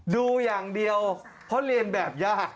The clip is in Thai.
ดูอย่างเดียวเพราะเรียนแบบยาก